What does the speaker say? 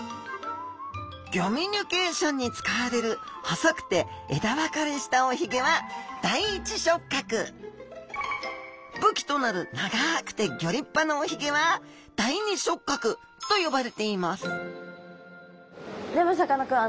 ギョミュニケーションに使われる細くて枝分かれしたおひげは武器となる長くてギョ立派なおひげは第２触角と呼ばれていますでもさかなクン